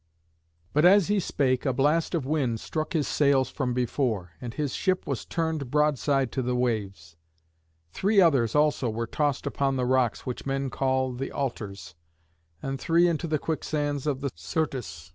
But as he spake a blast of wind struck his sails from before, and his ship was turned broadside to the waves. Three others also were tossed upon the rocks which men call the "Altars," and three into the quicksands of the Syrtis.